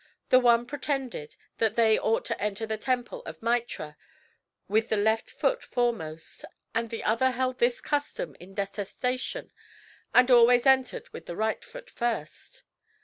The one pretended that they ought to enter the temple of Mitra with the left foot foremost; the other held this custom in detestation and always entered with the right foot first.